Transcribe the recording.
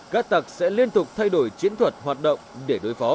các tạc sẽ liên tục thay đổi chiến thuật hoạt động